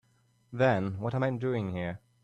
Then what am I doing here?